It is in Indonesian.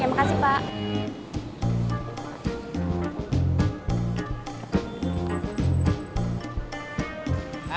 ya makasih pak